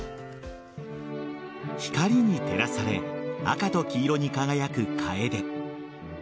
光に照らされ赤と黄色に輝くカエデ。